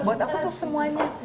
buat aku untuk semuanya